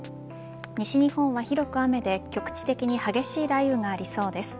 西日本は広く雨で局地的に激しい雷雨がありそうです。